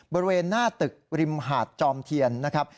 บริเวณหน้าตึกริมหาดจอมเทียนนะครับ